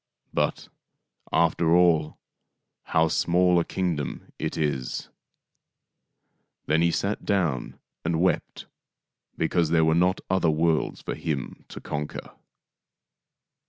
But, after all, how small a kingdom it is !" Then he sat down and wept because there were not other worlds for him to conquer.